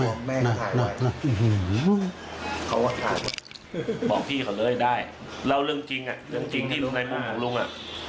บอกพี่เขาเลยได้เล่าเรื่องจริงอ่ะเรื่องจริงที่ลุงในบุคลุงอ่ะ